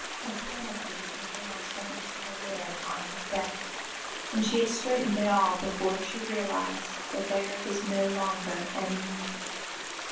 Mechanically her hands went to the litter on his desk and she had straightened it all before she realised that there was no longer any need.